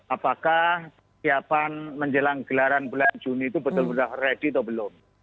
apakah siapan menjelang gelaran bulan juni itu betul betul ready atau belum